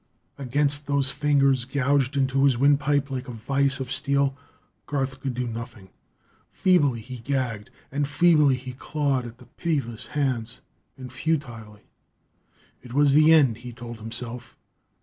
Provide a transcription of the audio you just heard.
Against those fingers gouged into his wind pipe like a vise of steel, Garth could do nothing. Feebly he gagged, and feebly he clawed at the pitiless hands and futilely. It was the end, he told himself.